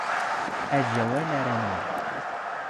ⴰⴷⵊ ⴰⵡⴰⵍ ⴰⵔ ⴰⵏⵡⴰⵍ